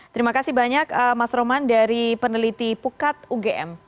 terima kasih banyak mas roman dari peneliti pukat ugm